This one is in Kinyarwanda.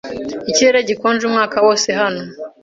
Ikirere gikonje umwaka wose hano.